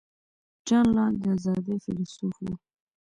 جان لاک د آزادۍ فیلیسوف و.